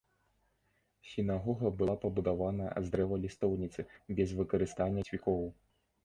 Сінагога была пабудавана з дрэва лістоўніцы без выкарыстання цвікоў.